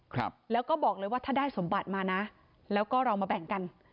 ครับแล้วก็บอกเลยว่าถ้าได้สมบัติมานะแล้วก็เรามาแบ่งกัน